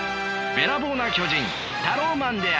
べらぼうな巨人タローマンである。